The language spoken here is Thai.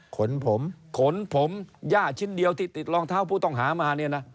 ขนผมขนผมย่าชิ้นเดียวที่ติดรองเท้าผู้ต้องหามาเนี่ยนะ